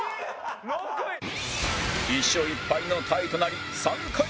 １勝１敗のタイとなり３回戦